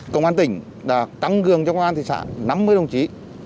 công an tỉnh đã tăng gương cho công an thị xã năm mươi đồng chí